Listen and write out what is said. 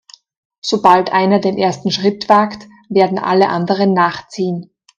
Sobald einer den ersten Schritt wagt, werden alle anderen nachziehen.